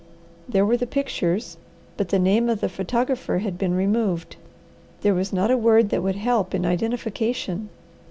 There were the pictures, but the name of the photographer had been removed. There was not a word that would help in identification.